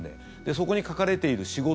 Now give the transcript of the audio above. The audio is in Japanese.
そこに書かれている仕事